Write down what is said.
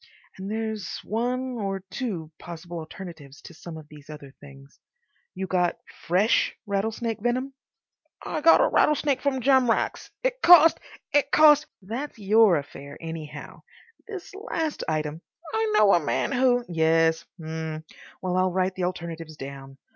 And there's one or two possible alternatives to some of these other things. You got FRESH rattlesnake venom." "I got a rattlesnake from Jamrach's. It cost—it cost—" "That's your affair, anyhow. This last item—" "I know a man who—" "Yes. H'm. Well, I'll write the alternatives down.